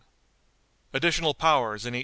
Additional Powers in 1820.